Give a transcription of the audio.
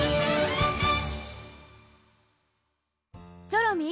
チョロミー